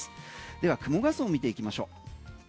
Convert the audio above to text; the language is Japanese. では雲画像を見ていきましょう。